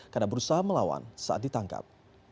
karena berusaha melawan saat ditangkap